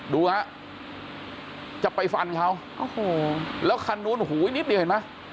ดูฮะจะไปฟันเขาโอ้โหแล้วคันนู้นหูยนิดเดียวเห็นไหม